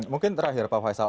mungkin terakhir pak faisal